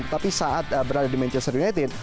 tetapi saat berada di manchester united